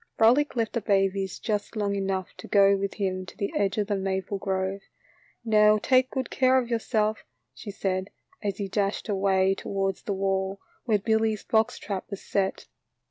Frolic left the babies just long enough to go with him to the edge of the maple grove. "Now take good care of yourself," she said, as he dashed away towards the wall where Billy's box trap was set.